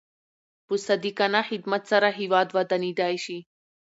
په صادقانه خدمت سره هیواد ودانېدای شي.